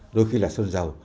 đôi khi là sơn dầu